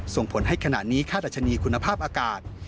ส่งผลให้ขณะนี้ค่าดัชนีคุณภาพอากาศ